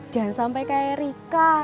jangan sampai kayak rika